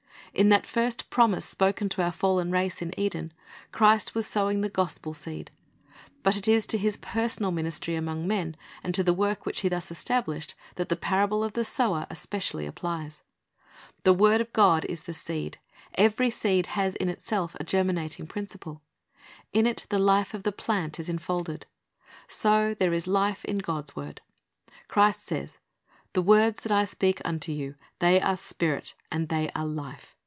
In that first promise spoken to our fallen race in Eden, Christ was sowing the gospel seed. But it is to His personal ministry among men, and to the work which He thus established, that the parable of the sower especially applies. The word of God is the seed. Every seed has in itself a germinating principle. In it the life of the plant is enfolded. So there is life in God's word. Christ says, "The words that I speak unto you, they are Spirit, and they are life."